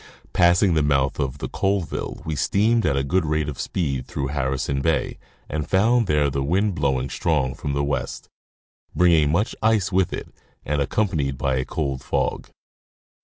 Passing the mouth of the Colville we steamed at a good rate of speed through Harrison bay and found there the wind blowing strong from the west, bringing much ice with it and accompanied by a cold fog.